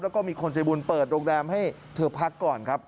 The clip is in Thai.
แล้วก็มีคนใจบุญเปิดโรงแรมให้เธอพักก่อนครับ